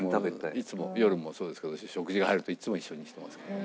いつも夜もそうですけど食事が入るといつも一緒にしてますけどね。